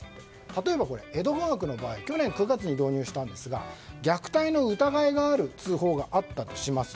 例えば、江戸川区の場合去年９月に導入したんですが虐待の疑いがある通報があったとします。